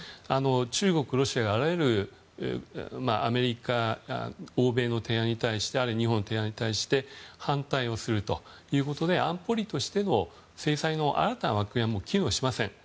中国、ロシアがあらゆるアメリカ、欧米の提案あるいは日本の提案に対して反対をするということで安保理としての制裁の新たな枠組みはもう機能しません。